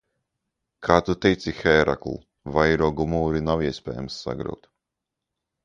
Kā tu teici, Hērakl, vairogu mūri nav iespējams sagraut!